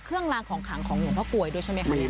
เครื่องรางของขังของเหมือนพระปรู๙๘